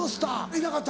いなかった？